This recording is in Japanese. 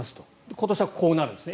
今年はこうなるんですね。